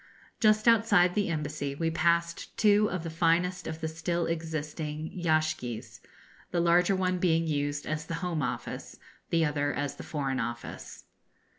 Just outside the Embassy we passed two of the finest of the still existing yashgis, the larger one being used as the Home Office, the other as the Foreign Office.